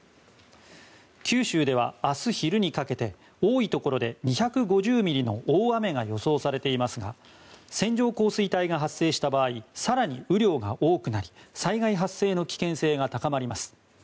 九州では明日昼にかけて多いところで２５０ミリの大雨が予想されていますが線状降水帯が発生した場合更に雨量が多くなり災害発生の危険性が高まります。